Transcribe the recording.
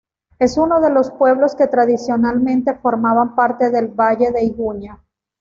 Es uno de los pueblos que tradicionalmente formaban parte del valle de Iguña.